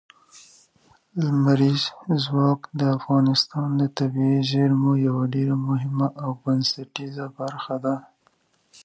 لمریز ځواک د افغانستان د طبیعي زیرمو یوه ډېره مهمه او بنسټیزه برخه ده.